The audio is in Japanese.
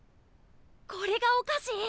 これがお菓子？